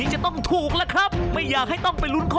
เหมือนกันคองยอง